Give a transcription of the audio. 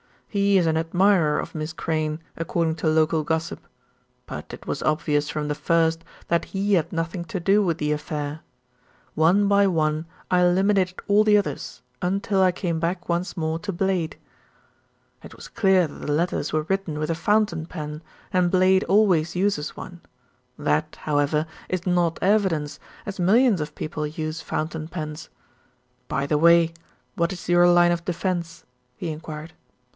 He is an admirer of Miss Crayne, according to local gossip; but it was obvious from the first that he had nothing to do with the affair. One by one I eliminated all the others, until I came back once more to Blade. "It was clear that the letters were written with a fountain pen, and Blade always uses one. That, however, is not evidence, as millions of people use fountain pens. By the way, what is your line of defence?" he enquired.